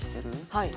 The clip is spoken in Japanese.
はい。